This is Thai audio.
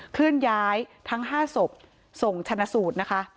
เคลื่อนย้ายทั้ง๕ศพส่งชนะสูตรนะคะ